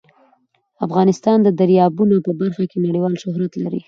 افغانستان د دریابونه په برخه کې نړیوال شهرت لري.